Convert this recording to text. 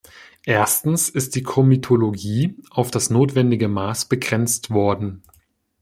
Erstens ist die Komitologie auf das notwendige Maß begrenzt worden.